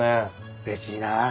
うれしいなあ。